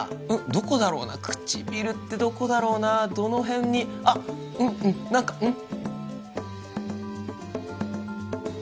どこだろうな唇ってどこだろうなどのへんにあっうんうん何かうん？